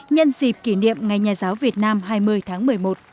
nhân dịp kỷ niệm ngày nhà giáo việt nam hai mươi tháng một mươi một